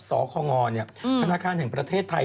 สคธนาคารแห่งประเทศไทย